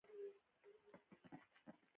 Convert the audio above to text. • سپین غاښونه د ښکلې مسکا رمز دی.